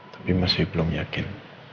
tapi masih belum yakin